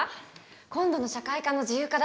今度の社会科の自由課題